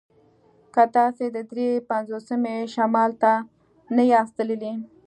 که تاسې د دري پنځوسمې شمال ته نه یاست تللي